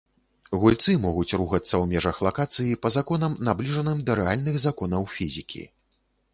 Гульцы могуць рухацца ў межах лакацыі па законам, набліжаным да рэальных законаў фізікі.